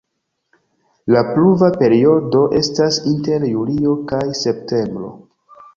La pluva periodo estas inter julio kaj septembro.